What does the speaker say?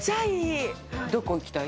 どこ置きたい？